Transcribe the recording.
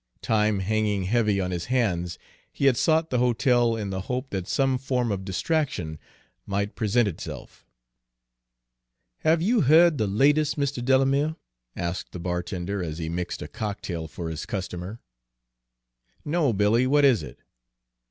Time hanging heavy on his hands, he had sought the hotel in the hope that some form of distraction might present itself. "Have you heard the latest, Mr. Delamere?" asked the bartender, as he mixed a cocktail for his customer. "No, Billy; what is it?"